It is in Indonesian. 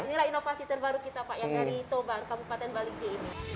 inilah inovasi terbaru kita pak yang dari tobar kabupaten balige ini